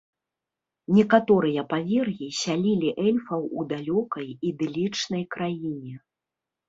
Некаторыя павер'і сялілі эльфаў у далёкай ідылічнай краіне.